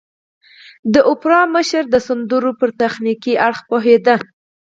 د اوپرا مشر د سندرو پر تخنيکي اړخ پوهېده.